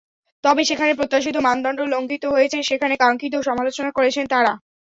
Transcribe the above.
তবে যেখানে প্রত্যাশিত মানদণ্ড লঙ্ঘিত হয়েছে, সেখানে কাঙ্ক্ষিত সমালোচনা করেছেন তারা।